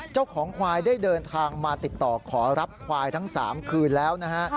เจ้าของควายได้เดินทางมาติดต่อขอรับควายทั้ง๓คืนแล้วนะฮะ